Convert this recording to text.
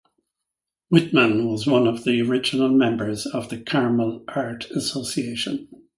Whitman was one of the original members of the Carmel Art Association.